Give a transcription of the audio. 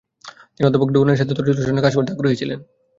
তিনি অধ্যাপক ডোনানের সাথে তড়িৎ রসায়নে কাজ করতে আগ্রহী ছিলেন।